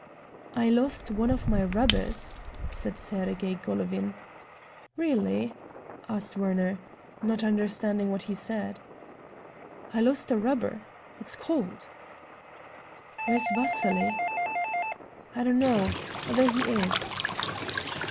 "I lost one of my rubbers," said Sergey Golovin. "Really?" asked Werner, not understanding what he said. "I lost a rubber. It's cold." "Where's Vasily?" "I don't know. There he is."